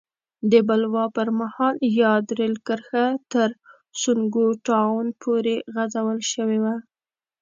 د بلوا پر مهال یاده رېل کرښه تر سونګو ټاون پورې غځول شوې وه.